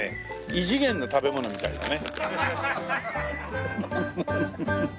異次元の食べ物みたいだね。